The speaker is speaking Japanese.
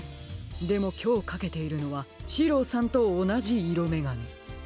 でもきょうかけているのはシローさんとおなじいろめがね。